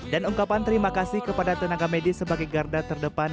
dan ungkapan terima kasih kepada tenaga medis sebagai garda terdepan